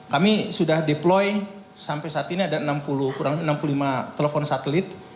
kami sudah deploy sampai saat ini ada enam puluh kurang lebih enam puluh lima telepon satelit